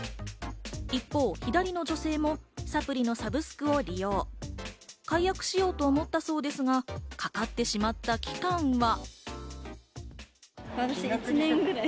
一方、左の女性もサプリのサブスクを解約しようと思ったそうですが、かかってしまった期間は。